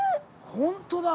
ホントだ！